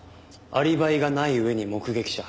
アリバイがない上に目撃者。